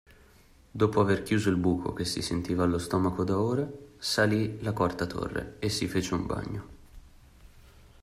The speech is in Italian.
Dopo aver chiuso il buco che si sentiva allo stomaco da ore, salì la quarta torre e si fece un bagno.